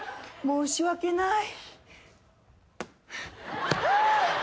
申し訳ない。